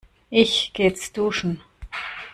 Ich geh jetzt duschen.